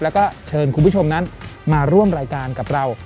แล้วก็เชิญคุณผู้ชมนั้นมาร่วมรายการกับเรา